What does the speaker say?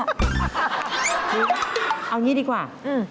เอาอย่างนี้ดีกว่า